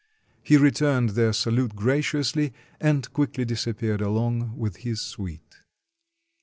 He returned their salute graciously, and quickly disappeared along with his suite.